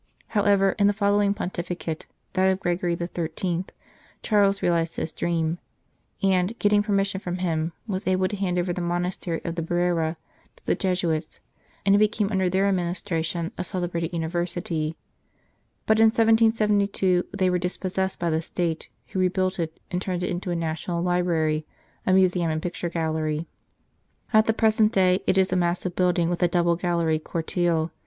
However, in the following pontificate that of Gregory XIII. Charles realized his dream, and, getting permission from him, was able to hand over the monastery of the Brera to the Jesuits, and it became under their administration a celebrated University; but in 1772 they were dispossessed by the State, who rebuilt it, and turned it into a National Library, a Museum and Picture Gallery. At the present day it is a massive building with a double galleried cortile.